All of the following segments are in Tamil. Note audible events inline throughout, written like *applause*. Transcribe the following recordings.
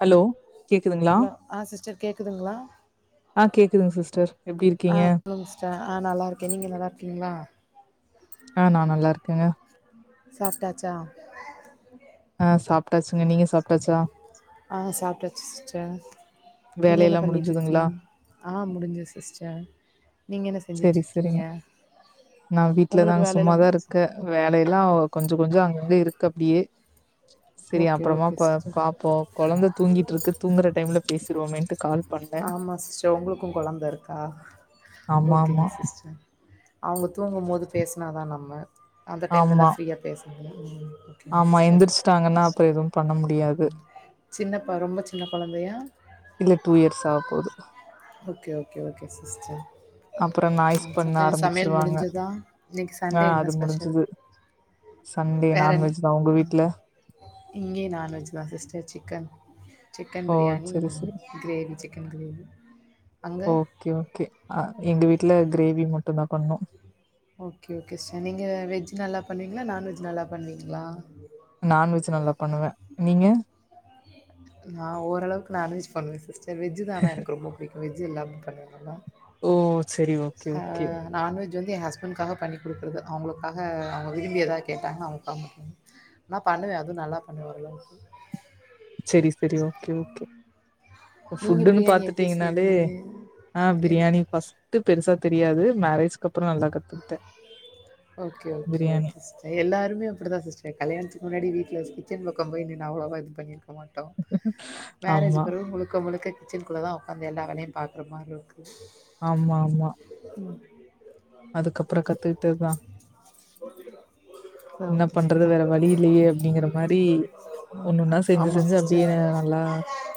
ஹலோ கேக்குதுங்களா ஹலோ ஆ சிஸ்டர் கேக்குதுங்களா ஆ கேக்குதுங்க சிஸ்டர் எப்டி ஆ இருக்கீங்க சொல்லுங்க சிஸ்டர் ஆ நல்லா இருக்கே நீங்க நல்லா இருக்கீங்களா ஆ நா நல்லா இருக்க சாப்டாச்சா ஆஹ் சாப்பிட்டாச்சுங்க நீங்க சாப்பிட்டாச்சா ஆ சாப்ட்டாச்சு சிஸ்டர் நீங்க என்ன வேலையெல்லா பண்ணிட்டு இருக்கீங்க முடிஞ்சுதுங்களா ஆ முடிஞ்சது சிஸ்டர் நீங்க என்ன சேரி செஞ்சுட்டுருக்கீங்க சேரிங்க நா உங்களுக்கு வீட்டுலதாங் வேலையெல்லா சும்மாதா இருக்கே வேலயெல்லா கொஞ்சோ கொஞ்சோ அங்கங்க இருக்கு அப்டியே செரி ஓகே அப்பறமா ஓகே பா சிஸ்டர் பாப்போ கொழந்த தூங்கிட்டு இருக்கு தூங்குற டைம்ல பேசிருவோமென்டு கால் பண்ணே ஆமா சிஸ்டர் உங்களுக்கு கொழந்த இருக்கா ஆமா ஓகேங்க ஆமா சிஸ்டர் அவுங்க தூங்கும் போது பேசினா தா நம்ம அந்தடைம்ல தா ஆமா ஃப்ரீயா பேச முடியு ம் ஓகேங்க ஆமா சிஸ்டர் எந்திரிச்சுட்டாங்கனா அப்ப எதும் பண்ண முடியாது சின்னப்பா ரொம்ப சின்ன கொழந்தையா இல்ல டூ இயர்ஸ் ஆக போது ஓகே ஓகே ஓகே சிஸ்டர் அப்புற நாய்ஸ் பண்ண ஆ சமையல் ஆரம்பிச்சிருவாங்க முடிஞ்சதா இன்னைக்கு ஆ சன்டே என்ன அது ஸ்பெஷல் முடிஞ்சுது சண்டே வேற நான்வெஜ் தா உங்க ஆ வீட்ல இங்கேயே நான்வெஜ் தா சிஸ்டர் சிக்கன் சிக்கன் ஓ! பிரியாணி சரி, சரி. Egg gravy chicken gravy okay okay அ எங்க வீட்டுல கிரேவி மட்டு தா பண்ணோ ஓகே ஓகே சிஸ்டர் நீங்க வெஜ் நல்லா பண்ணுவீங்களா நான்வெஜ் நல்லா பண்ணுவீங்களா நான்வெஜ் நல்லா பண்ணுவே நீங்க நா ஓரளவுக்கு நான்வெஜ் பண்ணுவே சிஸ்டர் வெஜ் தா ஆனா எனக்கு ரொம்ப பிடிக் வெஜ் எல்லாமே பண்ணுவே நல்லா ஓ செரி ஓகே ஓகே இது வந்து என் ஹஸ்பண்ட்காக பண்ணி குடுக்குறது அவுங்களுக்காக அவுங்க விரும்பி எதா கேட்டாங்கனா அவுங்களுக்காக மட்டு நா பண்ணுவே அதும் நல்லா பண்ணுவே ஓரளவுக்கு செரி செரி ஓகே ஓகே நீங்க ஃபுட்டுன்னு பிரியாணி எப்டி பாத்துட்டீங்கனாலே செய்வீங்க? அ ஆஹ் எல் பிரியாணி ஃபஸ்ட்டு பெருசா தெரியாது marriage okay okay biryani. Okay sister எல்லாருமே அப்டித்தா சிஸ்டர் கல்யாணத்துக்கு முன்னாடி வீட்டுல ஸ்கிப் திரும்ப கம்பெனி நா அவ்ளவா இது பண்ணிருன் போ மாட்டோ மேரேஜ் ஆமா, பெறவு முழுக்க முழுக்க கிச்சின்குள்ளதா உக்காந்து எல்லா வேலையு பாக்குறமாருக்கு உம் அதுக்கப்பறோ கத்துக்கிட்டதுதா என்ன ஓகே பண்றது சிஸ்டர். வேற வழி இல்லையே அப்டிங்கிற மாரி ஒண்ணுன்னா செஞ்சு ஆமா செஞ்சு சிஸ்டர். அப்டியேனு நல்லா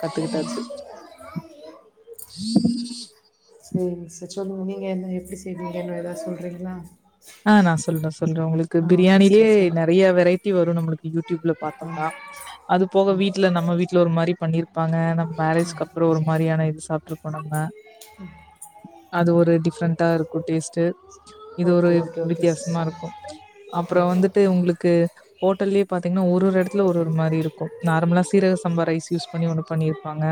கத்துக்கிட்டாச்சு சேரிங்க சிஸ்டர் சொல்லுங்க நீங்க என்ன எப்டி செய்வீங்கனு ஏதாது சொல்றீங்களா ஆஹ் நா சொல்றே சொல்றே உங்களுக் கு ஆ ஓகே பிரியாணிலேயே சிஸ்டர் சொல்லுங்க. நெறையா வெரைட்டி வ சார் நம்மளுக்கு டியூப்ல பாத்தோம்னா ம், அது போக ம், வீட்ல நம்ம வீட்ல ஒரு மாரி பண்ணிருப்பாங்க நம்ம ம். மேரேஜ்க்கு அப்புற ஒரு மாரியான இது சாப்ட்ருப்போ நம்ம அது ஒரு டிப்ரெண்டா இருக்கு டேஸ்ட்டு இது ஒரு ஓகே, ஓகே, ஓகே சிஸ்டர். வித்தியாசமாருக்கு அப்ற வந்துட்டு உங்ளுக்கு ஓட்டல்லே பாத்தீங்னா ஒரு ஒரு எடத்ல ஒரு ஒரு மாரிருக்கு நார்மலா சீரக சம்பா ரைஸ் யூஸ் பண்ணி ஒன்னு பண்ணிர் ங்க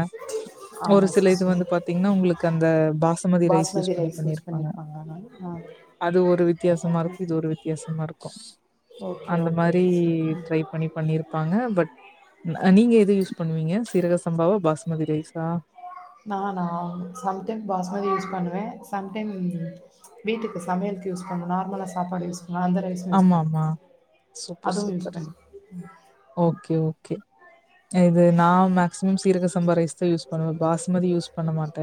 ஒரு ஆமா சில இது சிஸ்டர். வந்து பாத்தீங்ன்னா உங்களுக்கு அந்த பாசமதிரைஸ் யூஸ் பாஸ்மதி பண்ணி ரைஸ் யூஸ் பண்ணிருப்பாங்க பண்ணியிருப்பாங்க ஆனா. ஆ. அது ஒரு வி இத்தியாசமாருக்கு இது ஒரு வித்தியாசமா இருக்கு ஓகே, அந்த ஓகே மாரி சார். ட்ரை ம். பண்ணி பண்ணிருப்பாங்க பட் ந நீங்க இருக் யூஸ்பண்ணுவீங்க சீரகசம்பாவா பாஸ்மதிரைஸா நானா சம்டைம் பாஸ்மதி யூஸ் பண்ணுவே சம்டைம் வீட்டுக்கு சமையலுக்கு யூஸ் பண்ணு நார்மலா சாப்பாடு யூஸ் பண்ணுவேன். அந்த ரைஸும் யூஸ் ஆமா ஆமா பண்ணிப்பேன். சூப்பர் அதுவும் யூஸ் சூப்பர் பண்ணி ஓகே ஓகே இது நா மேக்சிமம் சீரகஸ் சம்பா ரைஸ் தா யூஸ் பண்ணுவ பாஸ்மதி யூஸ் பண்ண மாட்ட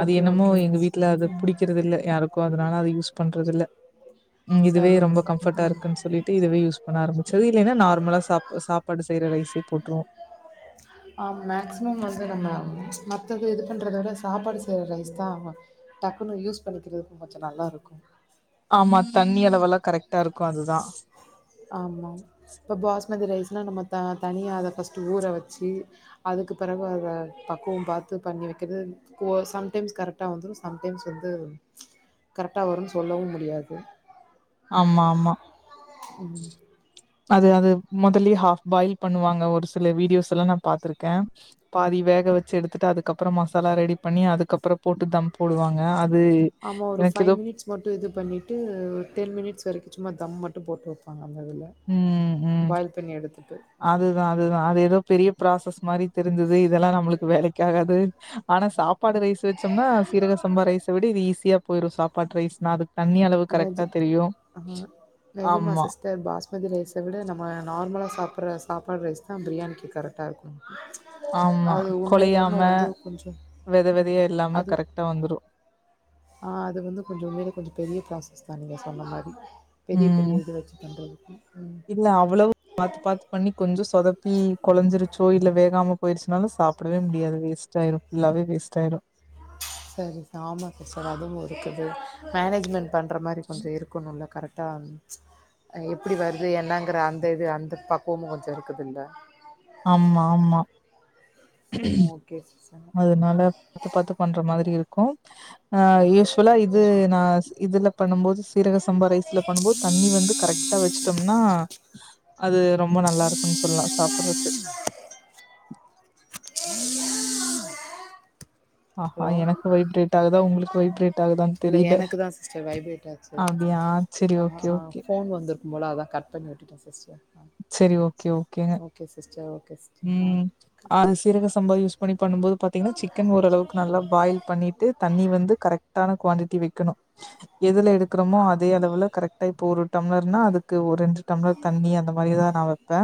அது என்னமோ ஓகே, ஓகே எங்க வீட்ல சிஸ்டர். அது ம். புடிக்குறதுல்ல யாருக்கு அதனால அத யூஸ் பண்றது இல்ல இதுவே சரிங்க ரொம்ப சிஸ்டர். கம்ஃபர்டா ம். இருக்குன் சொல்லிட்டு இதுவே யூஸ் பண்ண செரியில்லைன்னா நார்மலா சா சாப்பாடு சீரா ரைசே போட்ருவோ அ மேக்சிமம் வந்து நம்ம மத்தது இது பண்றத விட சாப்பாடு செய்யற ரைஸ் தா டக்குன்னு யூஸ் பண்ணிக்கிறது கொஞ்ச நல்லா இருக்கு ஆமா தண்ணி அளவள கரெக்ட்டாருக்கு அதுதா ஆமா இப்ப பாஸ் மதி ரைஸ்னா நம்ம த தனியாக அத பஸ்ட்டு ஊற வச்சி அதுக்குப் பிறவு அத பக்குவம் பாத்து பண்ணி வக்கிறது கோ சம்டைம்ஸ் கரெக்டா வந்துரு சம்டைம்ஸ் வந்து கரெக்டா வருன் சொல்லவு முடியாது ஆமா, ம் அதுஅது மொதல்லியே ஹாப்பாயில் பண்ணுவாங்க ஒரு சில வீடியோஸ் எல்லா நா பாத்துருக்க பாதி வேக வச்சு எடுத்துட்டு அதுக்கப்பற மசாலா ரெடி பண்ணி அதுக்கப்பற போட்டு தம் போடுவாங்க அது ஆமா ஒரு எனக்கு ஃபைவ் ஏதோ மினிட்ஸ் மட்டு இது பண்ணிட்டு டென்மினிட்ஸ் வரிக்கு சும்மா தம் மட்டு போட்டு வப்பாங்க ம் ம் எடுத்துட்டு. அதுதா அதுதா அது ஏதோ பெரிய பிராசஸ் மாரி தெரிஞ்சுது இதெல்லா நம்ளுக்கு வேலை காது ஆனா சாப் ப்பாடு ரைஸ் வச்சோம்னா சீரக சம்பாரைச விட இது ஈஸியாப் போயிரு சாப்பாட்ரைஸ்னா அது தண்ணி அளவு நெஜ கரெக்டா தெரியு ஆமா ஸ்மதி ரைச விட நம்ம நார்மலா சாப்பிர்ற சாப்பாடு ரைஸ்தா பிரியாணிக்கு கரெக்டா இருக்கு ஆமா அது கொழையாம உண்மையிலேமு வந்து கொஞ்சோ வெத வெதையா இல்லாம கரெக்டா வந்துரு ஆஹ் அது வந்து கொஞ்ச உண்மையில கொஞ்ச பெரிய ப்ராசஸ் தா நீங்க சொன்ன மாரி பெரிய ம் பெரிய இது வச்சு பண்றது ம் இல்ல அவ்ளோ பாத்து பாத்து பண்ணி கொஞ்ச சொத ப்பி குழஞ்சிருச்சோ இல்ல வேகாம போயிருச்சுனாலு சாப்பிடவே முடியாது வேஸ்ட் ஆயிரு ஃபுல்லாவே வேஸ்ட் ஆயிரு சரி ஆமா சிஸ்டர் அதும் இருக்குது மேனேஜ்மெண்ட் பண்ணற மாரி கொஞ்ச இருக்கணுல்ல கரெக்ட் டான் எப்படி வருது என்னங்கிற அந்த இது அந்த பக்குவமு கொஞ்ச இருக்குதுல ஆம்மா ஆம்மா ஓகே சிஸ்டர் ஆ அதனால பாத்து பாத்து பண்ற ம் மாதிரி இருக்கு ஆஹ் ஓகே யூஸ்வலா இது சிஸ்டர் நா இதுல பண்ணு போது சீரக சாம்பா ரைஸ்ல பண்ணுபோது தண்ணி வந்து கரெக்டா வச்சட்டோம்னா அது ரொம்ப நல்லா இருக்குன் சொல்லலா சாப்பிடுறக்கு ஆஹா ஹலோ எனக்கு வைப்ரேட் ஆகுதா உங்களுக்கு வைப்ரேட் ஆகுதான் இல்ல தெரியல எனக்கு தா சிஸ்டர் வைப்ரேட் ஆச்சு அப்படியா சரி ஓகே ஆ ஓகே ஃபோன் வந்திருக்கும் போல அதா கட் பண்ணி விட்டுட்டே சிஸ்டர் சரி ஓகே ஓகேங்க ஓகே சிஸ்டர் ஓகே சிஸ்டர் ஆ உம் அது சீரக சம்பா யூஸ் பண்ணி பண்ணு போது பாத்தீங்கன்னா சிக்கன் ஓரளவுக் கு நல்லா பாயில் பண்ணிட்டு தண்ணி வந்து கரெக்ட்டான குவாண்டிட்டி வெக்கணு எதுல எடுக்கிறோமோ அதே அளவுல கரெக்டா இப்ப ஒரு டம்ளர்னா அதுக்கு ஒரு ரெண்டு டம்ளர் தண்ணி அந்த மாரி தா நா வெப்பே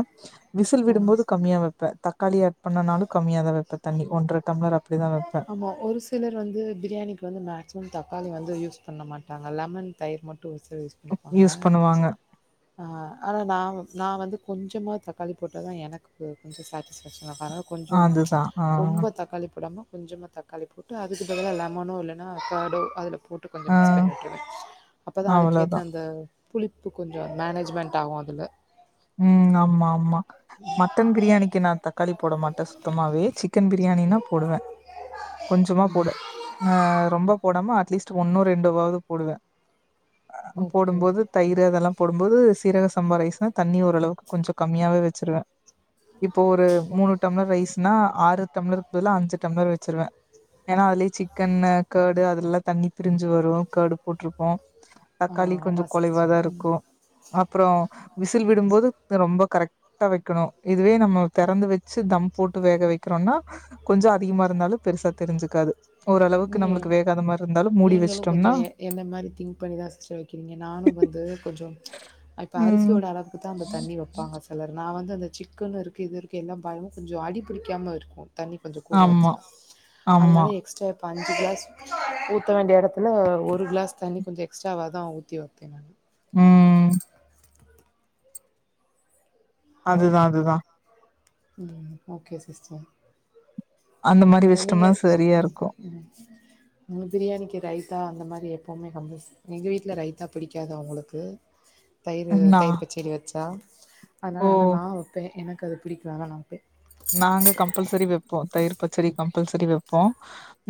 விசில் ஆ விடும்போது கம்மியா வெப்பே தக்காளி ஆட் பண்ணனாலு கம்மியா தா வெப்பை தண்ணி ஒன்ற டம்ளர் அப்டிதா வெப்பே ஆமா ஒரு சிலர் வந்து பிரியாணிக்கு வந்து மேக்சிமம் தக்காளி வந்து யூஸ் பண்ண மாட்டாங்க லெமன் தயிர் மட் டுஸ் தா யூஸ் பண்ணிப்பாங்க யூஸ் பண்ணுவாங்க அ ஆனா நா நா வந்து கொஞ்சமாக தக்காளி போட்டா தா எனக்கு கொஞ்ச சாட்டிஸ்ஃபேக்ஷன் *unintelligible* வர கொஞ்சம் அதுதா ஆ ரொம்ப தக்காளி போடாம கொஞ்சமா தக்காளி போட்டு அதுக்கு பதிலாக லெமனோ இல்லைனா கர்ட்டோ அதில போட்டு கொஞ்ச ஆ மிக்ஸ் பண்ணி விட்டுருவே *inaudible* அப்போ தா அதுக்கேத்த அவ்ளோதா அந்த புளிப்பு கொஞ்ச மேனேஜ்மெண்ட் ஆகு அதுல உம் ஆம்மா ஆம்மா மட்டன் பிரியாணிக்கு நா தக்காளி போட மாட்டே சுத்தமாவே சிக்கன் பிரியாணினா போடுவே கொஞ்சமா போட்ல அ ரொம்ப போடாம அட்லீஸ் ஒன்னோ ரெண்டுவாவ்து போடுவே உ ஓகே. போடும்போது தயிரூ அதெல்லா போடும்போது சீரக சம்பா ரைஸ்னா தண்ணி ஓரளவுக்கு கொஞ்சோ கம்மியாவே வெச்சுருவே இப்போ ஒரு மூணு டம்ளர் ரைஸ் நா ஆறு தம்ளர்பத்ல்ல அஞ்சு டம்ளர் வெச்சிருவே ஏன்னா அத்லே சிக்கன் அ கேடு அதுல்ல்லா தண்ணி பிரிஞ்சு வரு கேடு போட்ருப்போ ஆ தக்காளி கொஞ்சோ ஆமா சிஸ். ம். கொலைவாதாருக்கோ அப்றோ விசில் விடும்போது தன் ரொம்ப கரெக்ட் டா வெக்கணு யிதுவே நம்ம தெறந்து வெச்சு தம் போட்டு வேக வைக்கிறோன்னா கொஞ்சோ அதிகமாருந்தாலு பெருசா தெரிஞ்சுக்காது ஓரளவுக்கு நீ நம்மளுக்கு வேகாத மாரி இருந்தாலும் மூடி நீங்களு கொஞ்ச வச்சுட்டோம்னா எ என்ன மாரி திங்க் பண்ணிதா சிஸ்டர் வெக்கிறீங்க நானு வந்து கொஞ்சோ ச்ச் இப்போ ம். அரிசியோட அள தா அந்த தண்ணி வெப்பாங்க சிலர்னா நா வந்து அந்த சிக்கனுருக்கு யிதுருக்கு யெல்லாபயமு கொஞ்சோ அடி புடிக்காமருக்கோ தண்ணி கொஞ்சகூட ஆமா, வச்சா ஆமா. அதனால எக்ஸ்ட்ரா ப்ப அஞ்சு க்ளாஸ் ஊத்த வேண்டிய எடத்துல ஒரு க்ளாஸ் தண்ணி கொஞ்சோ எக்ஸ்ட்ராவாதா ஊத்தி வெக்கனு ம். ஹலோ அதுதா அதுதா ம் ஓகே சிஸ்டர் அந்த மாரி வே நீங்க வச்சுட்டோம்னா சரியா ம் இருக்கும். உ உ உனுக் பிரியாணிக்கு ரைத்தா அந்த மாரி எப்போமே கம்பல்செ எங்க வீட்ல ரைத்தா பிடிக்காது அவுங்குளுக்கு தயிரு நா தயிர் பச்செடி வெச்சா அதனால ஓ! ஆனா நா வெப்பே எனக் கது பிடிக்றாங்கணா நாங்க கம்பல்செரி வெப்போ தயிரு பச்சடி ம் கம்பல்செரி வெப்போ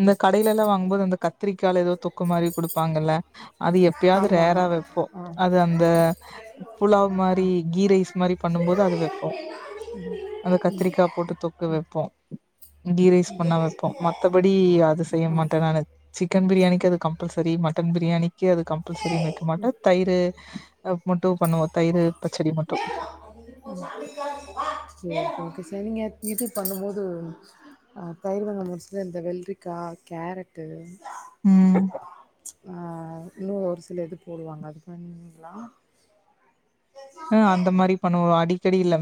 இந்த ம் கடையிலெல்லா வாங்கும்போது அந்த கத் திரிக்கால எதோ தொக்கு மாரி குடுப்பாங்கல்ல அது எப்பயாவ்து ஆமா ரேரா வெப்போ ஆ அது அந்த புலாவ் ஆ மாரி கீ ரைஸ் மாரி ம் பண்ணும் போது அது வெப்போ ம் ம் அந்த க ம் கா போட்டு தொக்கு வெப்போ கீ ரைஸ் பண்ணா வெப்போ மத்தபடி அது செய்ய ஆ மாட்டே நானு க்கன் பிரியாணிக்கு அது கம்பல்செரி மட்டன் பிரியாணி கே அது கம்பல்செரின்னு வெக்க சேரி மாட்டே தயிரு *unintelligible* மட்டு பச்சடி *inaudible* நீங்க இது பண்ணும்போது தயிர் *unintelligible* இந்த வெள்ரிக்காய், கேரட்டு ம் ஆ இன்னு ஒரு சில இது போடுவாங்க அது *unintelligible* ஆ அந்த மாரி பண்ணுவோ அடி தெரில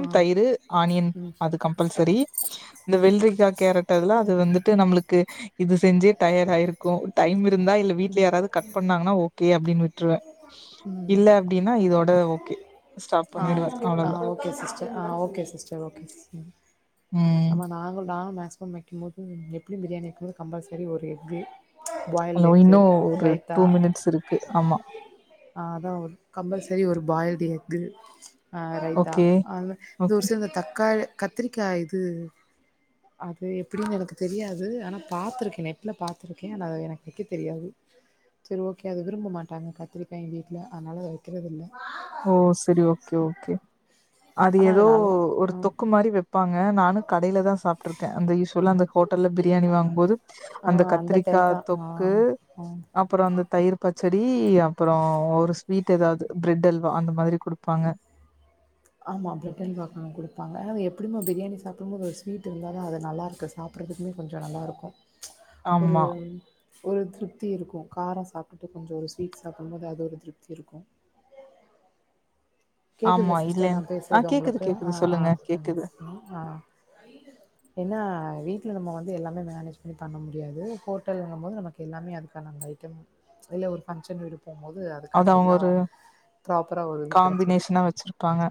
ஆ தயிரு ஆனியன் ம் அது கம்பல்சரி இந்த வெல்ரிக்கா கேரட் டல்லா அது ம் வந்துட்டு நம்ளுக்கு இது செஞ்சே டயடாயிருக்கு டைம் இருந்தா இல்ல வீட்ல ம் யாராவது கட் பண்ணாங்னா ஓகே அப்டின் விட்ருவே ம் இல்ல அப்டின்னா இதோட ஓகே ஸ்டாப் ஆ பண்ணிடுவே ஓகே ஆ அவ்ளோதா ஓகே சிஸ்டர் ஆ ஓகே சிஸ்டர் ஓகே ம் ஆமா நாங்களு நா மேக்ஸிமம் வைக்கும் போது எப்டி பிரியணி *unintelligible* கம்பல் சரி ஒரு எஃகு ஹலோ இன்னு ஒரு டூ மினிட்ஸ் இருக்கு ஆமா ஆ அதா ஒரு கம்பல்சரி ஒரு பாயில்டு எக்கு ஆ ரைத்தா ஓகே ஆ ஓகே *unintelligible* இந்த தக்காளி கத்திரிக்காய் இது அது எப்டின் எனக்கு தெரியாது ஆனா பாத்துருக்கே நெட்ல பாத்துருக்கே ஆனா அத எனக்கு வக்க தெரியாது சரி ஓகே அத விரும்ப மாட்டாங்க கத்திரிக்காய் எங் வீட்ல அதனால அத வைக்கறதுல்ல ஓ சரி ஓகே ஓகே அது ஆனா எதோ நல்லா ஒரு ஆ தொக்கு மாரி வப்பாங்க ங்க நானு கடைல தா சாப்ட்ருக்கே அந்த *unintelligible* அந்த ஹோட்டல்ல பிரியாணி வாங்கும்போது ஆ அந்த டைம் தா கத்திரிக்காய் ஆ தொக்கு ஆ அப்ற அந்த தயிர் பச்சடி அப்பற ஒரு ஸ்வீட் எதாது பிரெட் அல் வா அந்த மாதிரி குடுப்பாங்க ஆமாம் பிரட் அல்வா கா குடுப்பாங்க அத எப்பிடியுமே பிரியாணி சாப்டும்போது ஒரு ஸ்வீட் இருந்தா தா அது நல்லாருக்கு சாப்புட்றதுக்கே கொஞ்சோ நல்லாருக்கு ஒரு ஆமா, ஒரு திருப்தி இருக்கு காரோ சாப் *unintelligible* கொஞ்சோ ஒரு ஸ்வீட் சாப்டு போது *unintelligible* கேக்குதா ஆமா. சிஸ்டர் நா இல்லன் ஆ பேசுறது கேக்குது, உங்களுக்கு கேக்குது. ஆ ஆ சொல்லுங்க கேக்குது. ஆ ஏனா வீட்ல நம்ம வந்து எல்லாமே மேனேஜ் பண்ணி பண்ண முடியாது ஹோட்டல்ங்கும் போது நமக்கு எல்லாமே அதுக்கான அந்த ஐட்டம் இல்ல ஒரு பங்க்ஷன் போது அது அதுக்கான அவங்க எல்லா ஒரு ப்ராப்பரா ஒரு இது கிடச்சது இன்ன வெச்சிருப்பாங்க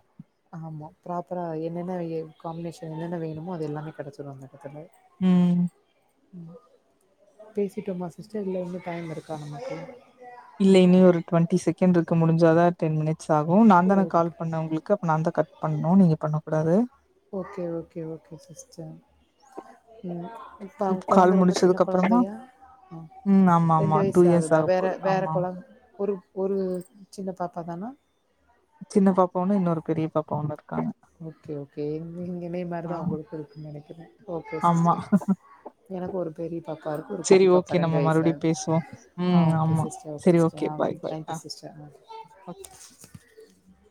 ப்ராப்பரா என்னென்ன எ காம்பினேஷன் என்னென்ன வேணுமோ அது எல்லாமே கெடச்சிரு அந்த எடத்துல ம் பேசிட்டோமா சிஸ்டர் இல்ல இன்னு டைம் இருக்கா நமக்கு இல்ல இன்னி ஒரு டுவெண்டி செகண்ட் இருக்கு முடிஞ்சாதா டென் மினிட் ஸ் ஆகு நாந்தான கால் ஓகே. பண்ண உங்ளுக்கு அப்ப நாந்தா கட் பண்ணு நீங்க பண்ணக்கூடாது ஓகே, ஓகே, ஓகே சிஸ்டர். ம். இப்ப உங்க கொழந்த கால் ரொம்ப சின்ன முடிச்சதுக்கு அப்புறமா கொழந்தையா ம் ஆமா ரெண்டு ஆமா டூ இயர்ஸ் வயிசாகுதா ஆக வேற போகுது வேற ஆமா கொழந் ஒரு ஒரு சின்ன பாப்பா தானா சின்ன பாப்பா ஒன்னு இன்னொரு பெரிய பாப்பா ஒன்னு இரு ஓகே ஓகே நீங்க எனைய ஆ மாரிதா உங்களுக்கு இருக்கு நெனைக்கறே ஓகே ஆமா சிஸ்டர் எனக்கு ஒரு பெரிய பாப்பா இருக்கு ஒரு சரி குட்டி பாப்பா ஓகே நம்ம ரெண்டு மறுபடியும் வயசாகு பேசுவோம் ஆ ம் ஓகே ஆமா சிஸ்டர் ஓகே சரி சிஸ்டர் ஆ பாய் பாய் ஆ தேங்க்யு சிஸ்டர் ஓகே அ